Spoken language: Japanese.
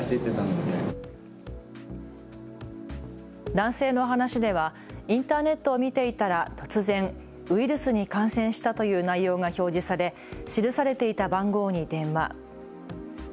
男性の話ではインターネットを見ていたら突然、ウイルスに感染したという内容が表示され記されていた番号に電話。